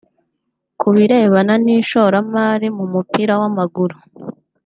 Ku birebana n’ishoramari mu mupira w’amaguru